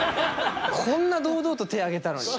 こんな堂々と手挙げたのに。